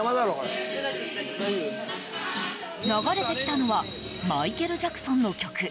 流れてきたのはマイケル・ジャクソンの曲。